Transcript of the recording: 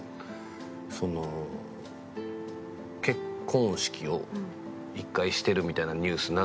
その結婚式を１回してるみたいなニュース流れるやんか。